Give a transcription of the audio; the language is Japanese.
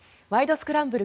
スクランブル」